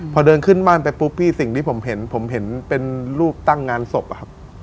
พอเดินขึ้นบ้านไปปุ๊บพี่สิ่งที่ผมเห็นผมเห็นเป็นรูปตั้งงานศพอะครับ